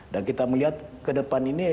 dan kita melihat ke depan